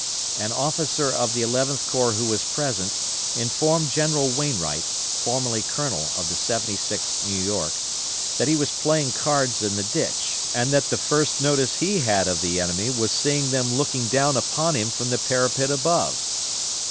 An officer of the Eleventh Corps who was present informed General Wainwright, formerly Colonel of the 76th New York, that he was playing cards in the ditch, and the first notice he had of the enemy was seeing them looking down upon him from the parapet above.